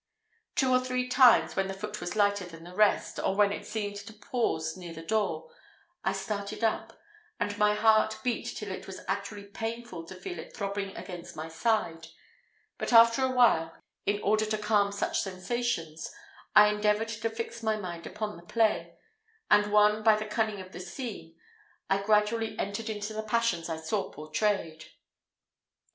Two or three times, when the foot was lighter than the rest, or when it seemed to pause near the door, I started up, and my heart beat till it was actually painful to feel it throbbing against my side: but, after a while, in order to calm such sensations, I endeavoured to fix my mind upon the play; and, won by the cunning of the scene, I gradually entered into the passions I saw portrayed.